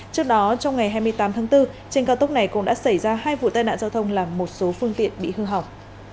trước đó trong ngày hai mươi tám tháng bốn trên cao tốc này cũng đã xảy ra hai vụ tai nạn giao thông làm một số phương tiện bị hư hỏng